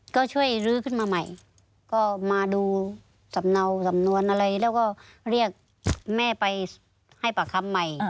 ก็ช่วยลื้อขึ้นมาใหม่ก็มาดูสำเนาสำนวนอะไรแล้วก็เรียกแม่ไปให้ปากคำใหม่